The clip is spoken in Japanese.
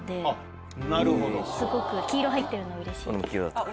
すごく黄色入ってるのうれしい。